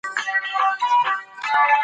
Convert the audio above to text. هغوی د پایلې بڼه تشریح کوي.